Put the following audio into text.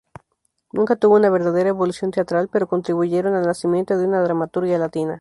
Nunca tuvo una verdadera evolución teatral, pero contribuyeron al nacimiento de una dramaturgia latina.